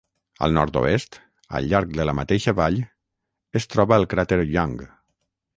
Al nord-oest, al llarg de la mateixa vall, es troba el cràter Young.